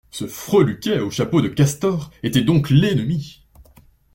Ce freluquet au chapeau de castor était donc l'ennemi.